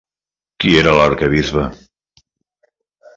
Qui era l'arquebisbe?